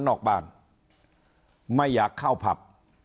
นอกบ้านไม่อยากเข้าผับ